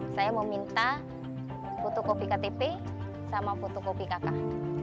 saya meminta foto kopi ktp sama foto kopi kakah